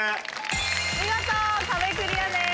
見事壁クリアです。